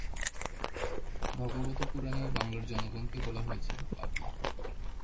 ভগবত পুরাণে ও বাংলার জনগণকে বলা হয়েছে ‘পাপী’।